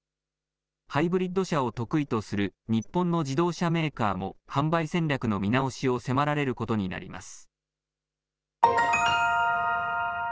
ハイブリッド車を得意とする日本の自動車メーカーも販売戦略の見直しを迫られることになります。